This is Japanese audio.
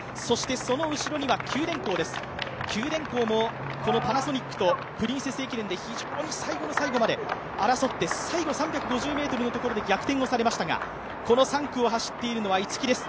その後ろには九電工ですが、九電工もこのパナソニックと最後の最後まであらそって争って最後３５０ｍのところで逆転をされましたがこの３区を走っているのは逸木です